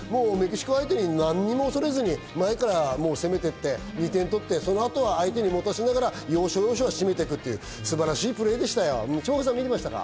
メキシコを相手に何も恐れずに前から攻めていって２点取って、その後は要所要所を締めていくという素晴らしいプレーでしたよ。